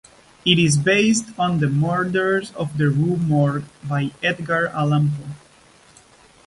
It is based on "The Murders in the Rue Morgue" by Edgar Allan Poe.